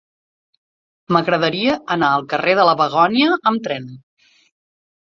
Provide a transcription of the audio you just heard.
M'agradaria anar al carrer de la Begònia amb tren.